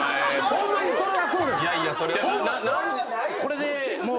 ホンマにそれはそうです！